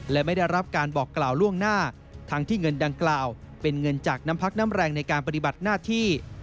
และไม่ได้รับการบอกกล่าวล่วงหน้าทั้งที่เงินดังกล่าวเป็นเงินจากน้ำพักน้ำแรงในการปฏิบัติหน้าที่